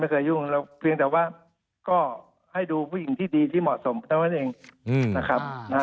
ไม่เคยยุ่งแต่ว่าก็ให้ดูผู้หญิงที่ดีที่เหมาะสมกับเจ้าแหลมเองนะครับ